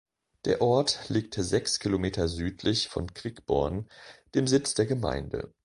Der Ort liegt sechs Kilometer südlich von Quickborn, dem Sitz der Gemeinde.